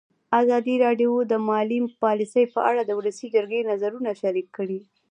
ازادي راډیو د مالي پالیسي په اړه د ولسي جرګې نظرونه شریک کړي.